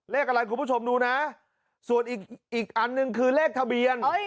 เลขอะไรคุณผู้ชมดูนะส่วนอีกอันหนึ่งคือเลขทะเบียน